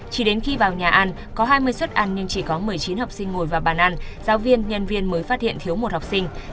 chỉ đến khi vào nhà ăn có hai mươi suất ăn nhưng chỉ có một mươi chín học sinh ngồi vào bàn ăn giáo viên nhân viên mới phát hiện thiếu một học sinh